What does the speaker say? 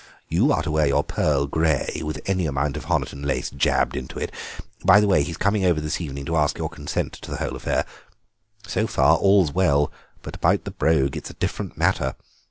You are to wear your pearl grey, with any amount of Honiton lace jabbed into it. By the way, he's coming over this evening to ask your consent to the whole affair. So far all's well, but about the Brogue it's a different matter.